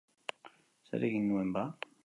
Zer egin nuen ba?